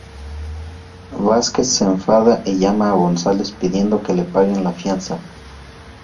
Vázquez se enfada y llama a González pidiendo que le paguen la fianza.